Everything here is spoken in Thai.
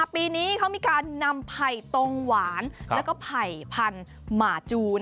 ปีนี้เขามีการนำไผ่ตรงหวานแล้วก็ไผ่พันธุ์หมาจู